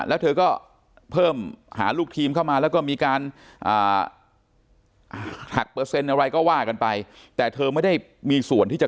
แล้วเธอก็เพิ่มหาลูกทีมเข้ามาแล้วก็มีการหักเปอร์เซ็นต์อะไรก็ว่ากันไป